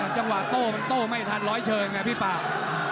โอ้โหมากจังหวะโตไม่ทันร้อยเชิงไงพี่ปาก